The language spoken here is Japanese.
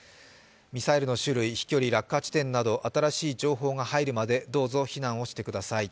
ミサイルの種類、飛距離、落下地点など新しい情報が入るまで、どうぞ避難をしてください。